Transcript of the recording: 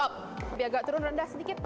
lebih agak turun rendah sedikit